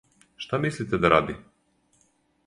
Шта мислите да ради?